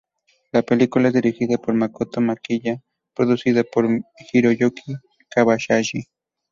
La película es dirigida por Makoto Kamiya y producida por Hiroyuki Kobayashi.